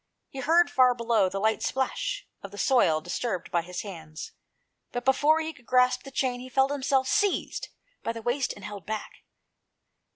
He heard, far below, the light splash of the soil disturbed by his hands ; but before he could grasp the chain, he felt himself seized by the waist and held back.